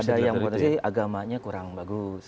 ada yang potensi agamanya kurang bagus